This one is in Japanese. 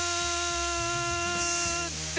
って